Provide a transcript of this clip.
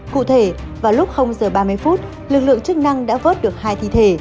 cụ thể vào lúc giờ ba mươi phút lực lượng chức năng đã vớt được hai thi thể